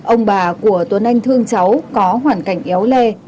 ông bà của tuấn anh thương cháu có hoàn cảnh éo le